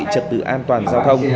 trật tự an toàn giao thông